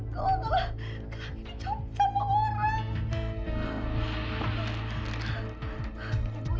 kalau kakak dicobot sama orang